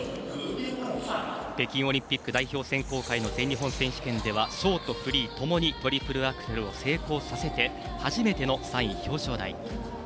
北京オリンピック代表選考会の全日本選手権ではショート、フリーともにトリプルアクセルを成功させて初めての３位表彰台。